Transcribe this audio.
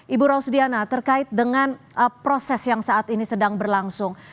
ibu rosdiana terkait dengan proses yang saat ini sedang berlangsung